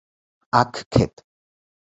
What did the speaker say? আখ ক্ষেত